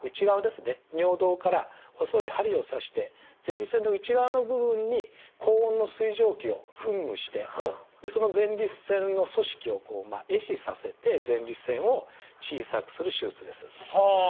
尿道から細い針を刺して前立腺の内側の部分に高温の水蒸気を噴霧してその前立腺の組織を壊死させて前立腺を小さくする手術です。